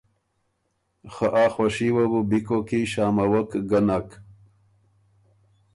خه آ خوشي وه بو بی کوک کی شامَوک ګه نک۔